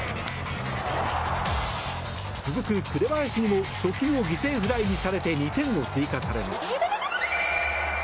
続く紅林にも初球を犠牲フライにされて２点を追加されます。